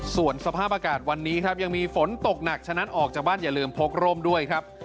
ส่วนสภาพอากาศวันนี้ครับยังมีฝนตกหนักฉะนั้นออกจากบ้านอย่าลืมพกร่มด้วยครับ